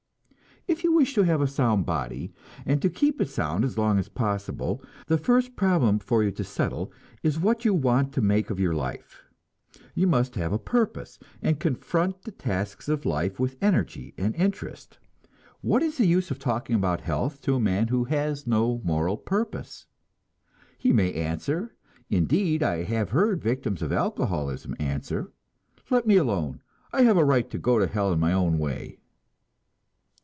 If you wish to have a sound body, and to keep it sound as long as possible, the first problem for you to settle is what you want to make of your life; you must have a purpose, and confront the tasks of life with energy and interest. What is the use of talking about health to a man who has no moral purpose? He may answer indeed, I have heard victims of alcoholism answer "Let me alone. I have a right to go to hell in my own way."